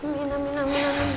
minah minah minah minah